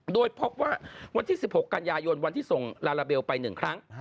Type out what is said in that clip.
โดยพบว่าวันที่๑๖กันยายนวันที่ส่งลาลาเบลไป๑ครั้ง